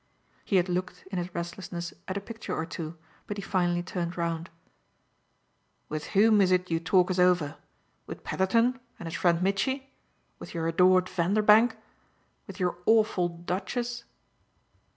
He had looked, in his restlessness, at a picture or two, but he finally turned round. "With whom is it you talk us over? With Petherton and his friend Mitchy? With your adored Vanderbank? With your awful Duchess?"